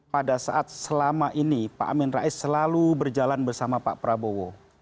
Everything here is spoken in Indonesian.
pada saat selama ini pak amin rais selalu berjalan bersama pak prabowo